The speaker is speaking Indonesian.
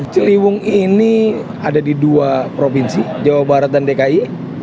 ciliwung ini ada di dua provinsi jawa barat dan dki